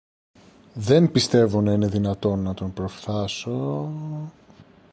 Δεν πιστεύω να είναι δυνατόν να τον προφθάσω.